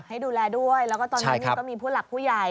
ให้ดูแลด้วยแล้วก็ตอนนั้นก็มีผู้หลักผู้ใหญ่